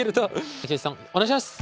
昭喜さんお願いします！